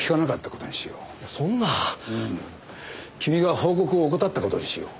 君が報告を怠った事にしよう。